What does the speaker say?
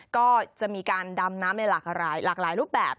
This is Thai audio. ก็จะมีการดำน้ำในหลากหลายรูปแบบ